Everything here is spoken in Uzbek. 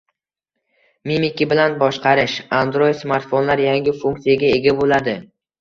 Mimika bilan boshqarish. Android smartfonlar yangi funksiyaga ega bo‘ladi